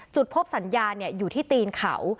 จุดพบสัญญาณอยู่ที่ตีนเขา